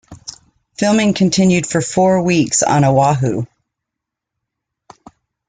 Filming continued for four weeks on Oahu.